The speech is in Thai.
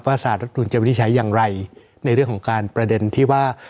สารรัฐนุนจะวินิจฉัยอย่างไรในเรื่องของการประเด็นที่ว่า